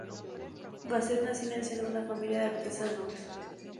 Basset nació en el seno de una familia de artesanos.